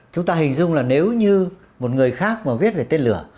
chúng ta hình dung là nếu như một người khác mà viết về tên lửa